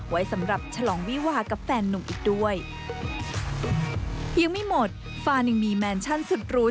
ไว้สำหรับฉลองวีวากับแฟนหนุ่มอีกด้วย